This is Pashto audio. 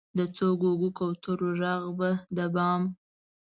د څو ګوګو، کوترو ږغ به د بام،